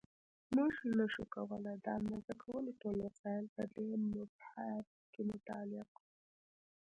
مونږ نشو کولای د اندازه کولو ټول وسایل په دې مبحث کې مطالعه کړو.